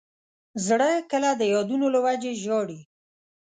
زړه کله د یادونو له وجې ژاړي.